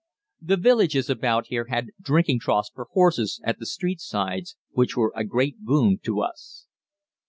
The villages about here had drinking troughs for horses at the street sides, which were a great boon to us.